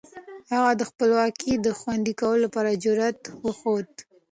هغه د خپلواکۍ د خوندي کولو لپاره جرئت وښود.